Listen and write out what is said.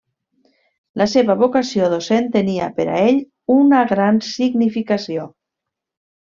La seva vocació docent tenia per a ell una gran significació.